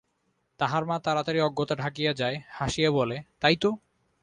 তাহার মা তাড়াতাড়ি অজ্ঞতা ঢাকিতে যায়, হাসিয়া বলে, তাই তো!